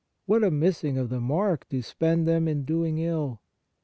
What a miss ing of the mark to spend them in doing ill